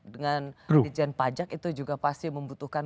dengan dijen pajak itu juga pasti membutuhkan